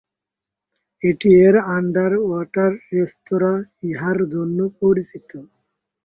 এটি এর under water restaurant ইথার জন্য পরিচিত।